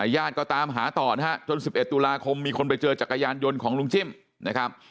ญาติก็ตามหาต่อนะฮะจน๑๑ตุลาคมมีคนไปเจอจักรยานยนต์ของลุงจิ้มนะครับ